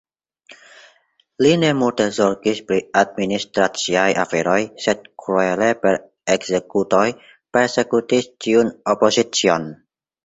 Li ne multe zorgis pri administraciaj aferoj, sed kruele per ekzekutoj persekutis ĉiun opozicion.